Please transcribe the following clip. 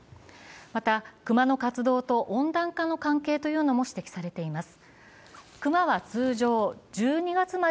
また熊の活動と温暖化の関係というのも指摘されています。